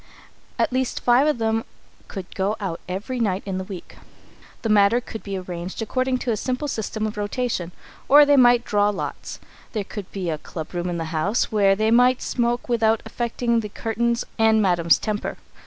At least five of them could go out every night in the week. The matter could be arranged according to a simple system of rotation, or they might draw lots. There could be a club room in the house, where they might smoke without affecting the curtains and Madam's temper.